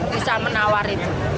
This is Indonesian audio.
bisa menawar itu